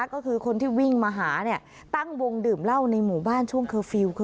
ก็คือคนที่วิ่งมาหาเนี่ยตั้งวงดื่มเหล้าในหมู่บ้านช่วงเคอร์ฟิลล์ค่ะ